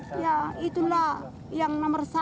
ya itulah yang nomor satu anakku yang besar